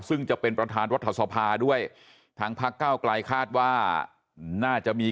ซึ่งจะเป็นประธานรัฐสภาด้วยทางพักเก้าไกลคาดว่าน่าจะมี